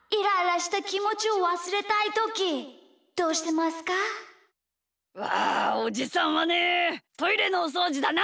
まあおじさんはねトイレのおそうじだな。